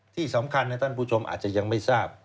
ที่สำคัญนะท่านผู้ชมอาจจะยังไม่ทราบ